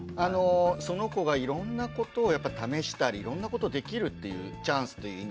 その子がいろんなことを試したりいろんなことできるっていうチャンスっていう意味でね